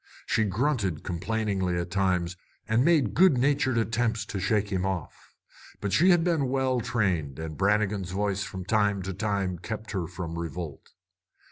She grunted complainingly at times, and made good natured attempts to shake him off. But she had been well trained, and Brannigan's voice from time to time kept her from revolt.